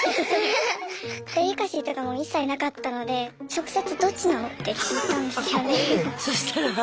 デリカシーとかも一切なかったので直接「どっちなの？」って聞いたんですよね。